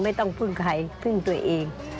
ไม่ต้องพึ่งใครพึ่งตัวเอง